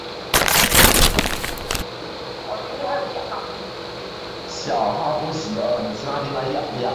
刚毛萼刺蕊草为唇形科刺蕊草属下的一个种。